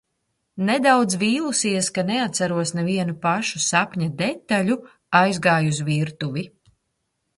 Nedaudz vīlusies, ka neatceros nevienu pašu sapņa detaļu, aizgāju uz virtuvi.